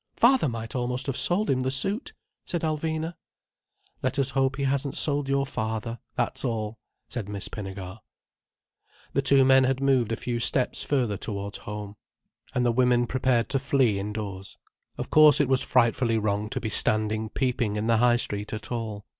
"Father might almost have sold him the suit," said Alvina. "Let us hope he hasn't sold your father, that's all," said Miss Pinnegar. The two men had moved a few steps further towards home, and the women prepared to flee indoors. Of course it was frightfully wrong to be standing peeping in the high street at all.